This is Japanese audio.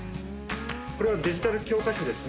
これはデジタル教科書ですね。